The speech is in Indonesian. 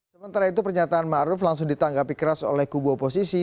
sementara itu pernyataan ⁇ maruf ⁇ langsung ditanggapi keras oleh kubu oposisi